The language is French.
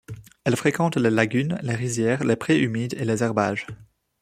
Elle fréquente les lagunes, les rizières, les prés humides et les herbages.